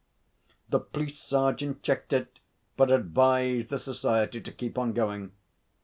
The police sergeant checked it, but advised the Society to keep on going.